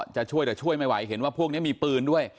จะช่วยแต่ช่วยไม่ไหวเห็นว่าพวกนี้มีปืนด้วย